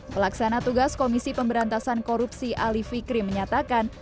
pelaksana tugas komisi pemberantasan korupsi alif vikri menyatakan